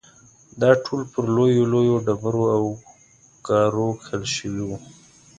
دا ټول پر لویو لویو ډبرو او ګارو کښل شوي دي.